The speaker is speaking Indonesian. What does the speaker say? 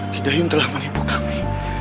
kidayun telah menipu kami